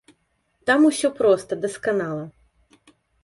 Там усё проста дасканала.